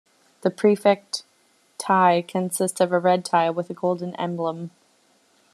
The prefect tie consists of a red tie with a golden emblem.